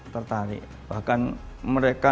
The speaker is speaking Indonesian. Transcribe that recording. tertarik bahkan mereka